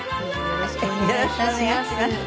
よろしくお願いします。